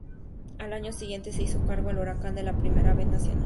Al año siguiente, se hizo cargo de Huracán en la Primera B Nacional.